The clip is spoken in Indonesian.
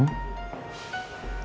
kamu harus berpikir smart